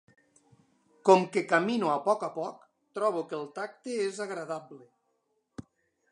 Com que camino a poc a poc, trobo que el tacte és agradable.